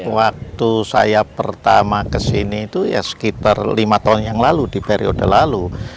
waktu saya pertama kesini itu ya sekitar lima tahun yang lalu di periode lalu